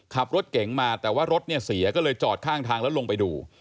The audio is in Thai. ขับรถเก๋งมาแต่ว่ารถเนี่ยเสียก็เลยจอดข้างทางแล้วลงไปดู